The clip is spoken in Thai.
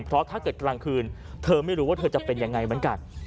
เพราะถ้าเกิดกลางคืนเธอไม่รู้ว่าเธอจะเป็นยังไงเหมือนกัน